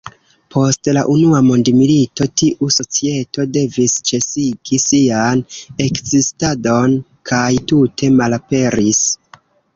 Post la Unua Mondmilito tiu societo devis ĉesigi sian ekzistadon kaj tute malaperis.